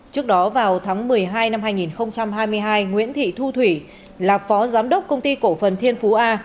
trước đó vào tháng một mươi hai năm hai nghìn hai mươi hai nguyễn thị thu thủy là phó giám đốc công ty cổ phần thiên phú a